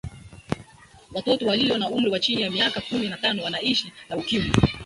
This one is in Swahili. watoto waliyo na umri wa chini ya mika kumi na tano wanaishi na ukimwi